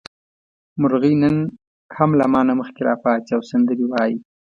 مرغۍ نن هم له ما نه مخکې راپاڅي او سندرې وايي.